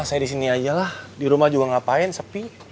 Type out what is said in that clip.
saya di sini aja lah di rumah juga ngapain sepi